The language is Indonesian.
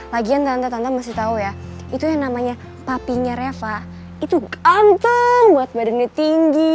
lagian tante tante masih tahu ya itu yang namanya papinya reva itu ganteng buat badannya tinggi